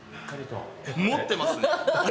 持ってますね。